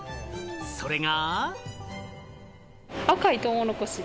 それが。